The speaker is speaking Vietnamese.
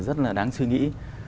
rất là đáng suy nghĩ